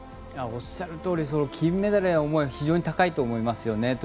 おっしゃるとおり金メダルへの思いは非常に高いと思いますよね。